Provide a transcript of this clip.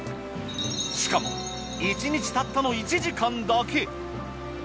しかも１日たったの１時間だけ。